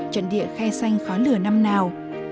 trận địa khe xanh khói lửa năm nào